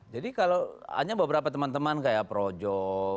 jadi kalau hanya beberapa teman teman kayak projo